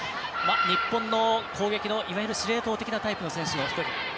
日本の攻撃のいわゆる司令塔的なタイプの１人。